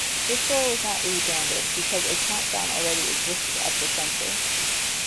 The store was not rebranded because a Countdown already existed at the centre.